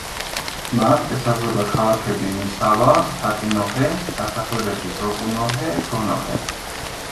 მას ესაზღვრება ქალაქები მისავა, ჰატინოჰე, დასახლებები როკუნოჰე, გონოჰე.